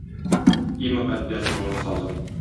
И мөкаддәс моңлы сазым!